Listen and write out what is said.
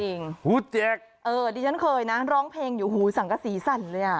หูแจกเออดิฉันเคยนะร้องเพลงอยู่หูสังกษีสั่นเลยอ่ะ